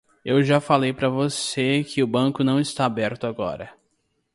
Eu já falei pra você que o banco não está aberto agora.